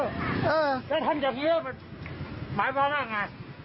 จะทำอย่างเยอะมันหมายพอมากน่ะ